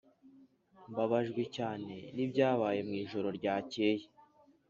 ] mbabajwe cyane nibyabaye mu ijoro ryakeye.